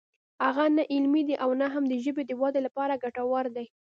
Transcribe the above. هغه نه علمي دی او نه هم د ژبې د ودې لپاره ګټور دی